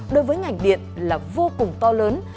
đối với ngành điện là vô cùng to lớn